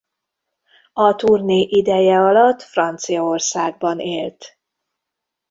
A turné ideje alatt Franciaországban élt.